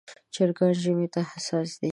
چرګان ژمي ته حساس دي.